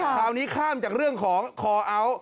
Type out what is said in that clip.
คราวนี้ข้ามจากเรื่องของคอเอาท์